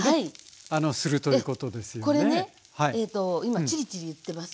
これね今チリチリいってます。